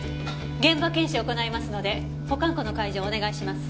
現場検証を行いますので保管庫の開錠をお願いします。